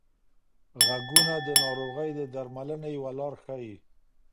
غږونه د ناروغۍ د درملنې یوه لار ښيي.